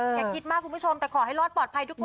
มีเดิมคิดมากแต่ขอให้รอดปลอดภัยทุกคน